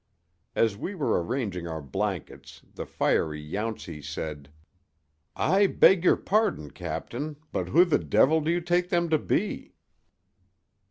As we were arranging our blankets the fiery Yountsey said: "I beg your pardon, Captain, but who the devil do you take them to be?"